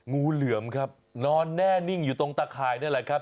งูเหลือมครับนอนแน่นิ่งอยู่ตรงตะข่ายนี่แหละครับ